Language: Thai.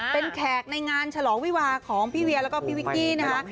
เป็นแขกในงานฉลองวิวาของพี่เวียแล้วก็พี่วิกกี้นะคะ